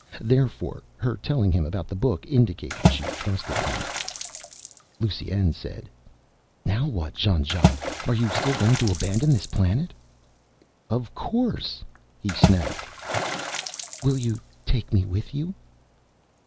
Therefore, her telling him about the book indicated she trusted him. Lusine said, "Now what, Jean Jacques? Are you still going to abandon this planet?" "Of course," he snapped. "Will you take me with you?"